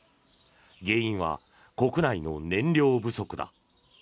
原因は国内の燃料不足だ。